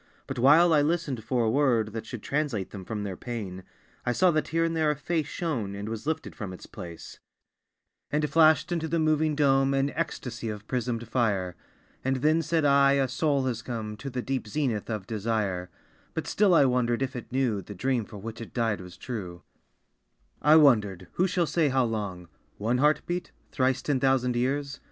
But while I listened for a word That should translate them from their pain, I saw that here and there a face Shone, and was lifted from its place, And flashed into the moving dome An ecstasy of prismed fire. And then said I, "A soul has come To the deep zenith of desire!" But still I wondered if it knew The dream for which it died was true. I wondered who shall say how long? (One heart beat? Thrice ten thousand years?)